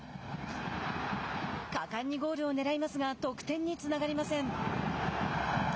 果敢にゴールをねらいますが得点につながりません。